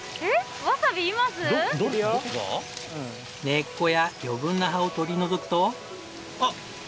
根っこや余分な葉を取り除くと。